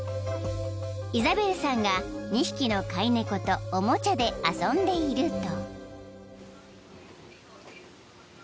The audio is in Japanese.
［イザベルさんが２匹の飼い猫とおもちゃで遊んでいると］